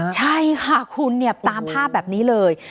ใช่ค่ะคุณเนี่ยตามภาพแบบนี้เลย